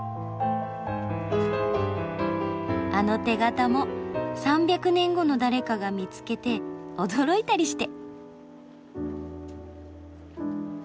・あの手形も３００年後の誰かが見つけて驚いたりして。